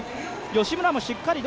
吉村もしっかりと。